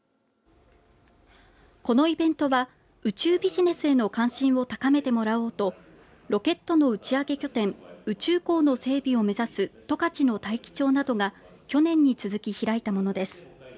このイベントは宇宙ビジネスへの関心を高めてもらおうとロケットの打ち上げ拠点宇宙港の整備を目指す十勝の大樹町などが去年に続き開いたものです。